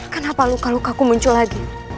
kenapa luka lukaku muncul lagi